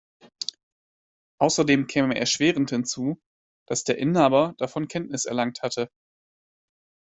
Außerdem käme erschwerend hinzu, dass der Inhaber davon Kenntnis erlangt hatte.